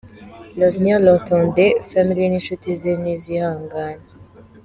L’avenir l’attendait!! Family n’inshuti ze ni zihangane.